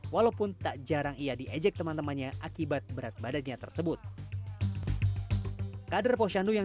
walaupun tak jarang ia diejek teman temannya akhirnya dia menemukan kemampuan